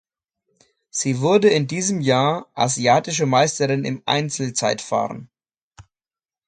Sie wurde in diesem Jahr Asiatische Meisterin im Einzelzeitfahren.